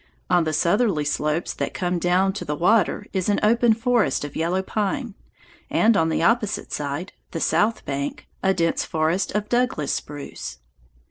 On the southerly slopes that come down to the water is an open forest of yellow pine, and on the opposite side, the south bank, a dense forest of Douglas spruce.